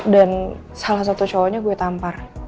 dan salah satu cowoknya gue tampar